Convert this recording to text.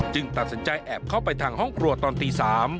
ตัดสินใจแอบเข้าไปทางห้องครัวตอนตี๓